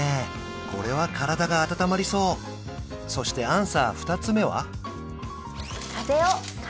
これは体が温まりそうそしてアンサー２つ目は？